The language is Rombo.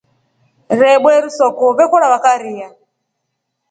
Rebweru soko vekora vakaria.